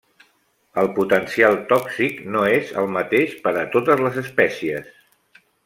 El potencial tòxic no és el mateix per a totes les espècies.